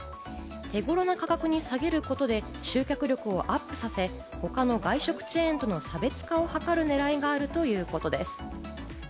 手頃な価格に下げることで、集客力をアップさせ他の外食チェーンとの差別化を図るねらいがあるということです。